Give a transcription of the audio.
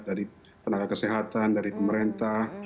dari tenaga kesehatan dari pemerintah